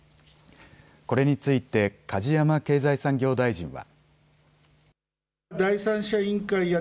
これについて梶山経済産業大臣は。